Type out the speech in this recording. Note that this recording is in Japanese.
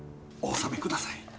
お納めください。